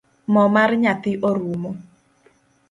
Mo mar nyathi orumo